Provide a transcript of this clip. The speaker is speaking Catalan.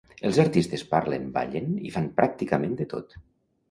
Els artistes parlen, ballen i fan pràcticament de tot.